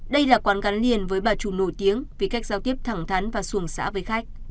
đây là quán gắn liền với bà trù nổi tiếng vì cách giao tiếp thẳng thắn và xuồng xã với khách